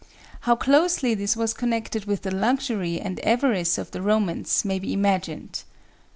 How closely this was connected with the luxury and avarice of the Romans may be imagined.